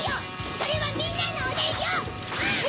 それはみんなのおでんよ！